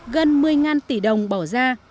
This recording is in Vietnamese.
gần một mươi tỷ đồng bỏ ra